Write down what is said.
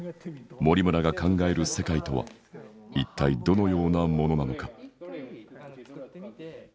森村が考える世界とは一体どのようなものなのか？